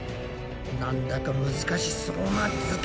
なんだか難しそうな図形！